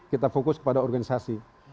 kita fokus pada organisasi